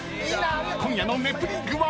［今夜の『ネプリーグ』は］